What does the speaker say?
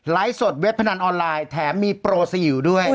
สดเว็บพนันออนไลน์แถมมีโปรสยิวด้วย